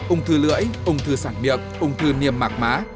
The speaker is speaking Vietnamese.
ông thư lưỡi ông thư sản miệng ông thư niềm mạc má